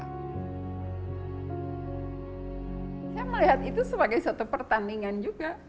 saya melihat itu sebagai suatu pertandingan juga